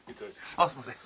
あっすんません。